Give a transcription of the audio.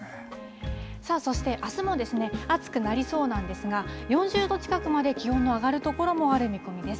さあそして、あすも暑くなりそうなんですが、４０度近くまで気温の上がる所もある見込みです。